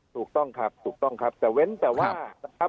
ถูกต้องครับจะเว้นแต่ว่า